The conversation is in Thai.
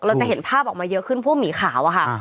เราจะเห็นภาพออกมาเยอะขึ้นพวกหมีขาวอะค่ะ